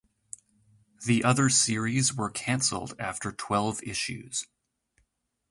The other series were canceled after twelve issues.